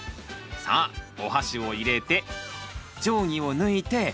さあおはしを入れて定規を抜いて。